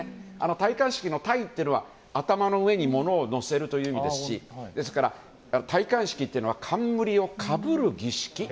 戴冠式の「戴」というのは頭の上に物を載せるという意味ですしですから戴冠式というのは冠をかぶる儀式。